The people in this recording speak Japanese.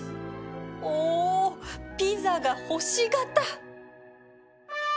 おピザが星形